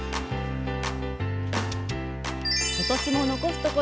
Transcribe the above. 今年も残すところ